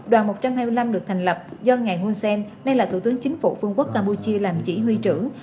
đoàn một trăm hai mươi năm được thành lập do ngài hun sen nay là thủ tướng chính phủ vương quốc campuchia làm chỉ huy trưởng